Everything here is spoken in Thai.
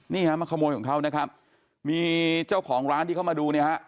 นี่ฮะมาขโมยของเขานะครับมีเจ้าของร้านที่เขามาดูเนี่ยฮะ